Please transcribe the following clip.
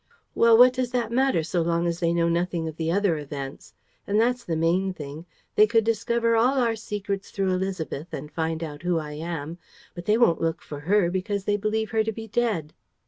"Well, what does that matter, so long as they know nothing of the other events? And that's the main thing. They could discover all our secrets through Élisabeth and find out who I am. But they won't look for her, because they believe her to be dead."